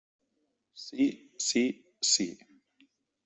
Sí, sí, sí.